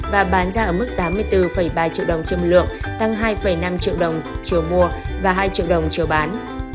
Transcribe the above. và bán ra ở mức tám mươi bốn ba triệu đồng trên một lượng tăng hai năm triệu đồng chiều mua và hai triệu đồng chiều bán